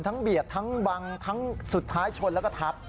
เบียดทั้งบังทั้งสุดท้ายชนแล้วก็ทับ